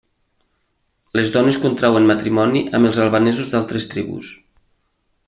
Les dones contrauen matrimoni amb els albanesos d'altres tribus.